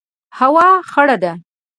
هوا خړه ده